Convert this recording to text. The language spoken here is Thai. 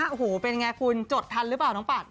โอ้โหเป็นไงคุณจดทันหรือเปล่าน้องปัด